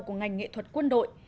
của ngành nghệ thuật quân đội